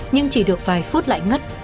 nhưng chỉ được vài phút lại ngất